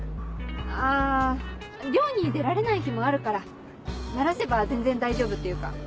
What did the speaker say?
あ漁に出られない日もあるからならせば全然大丈夫っていうか。